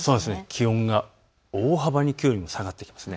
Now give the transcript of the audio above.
気温が大幅にきょうよりも下がっています。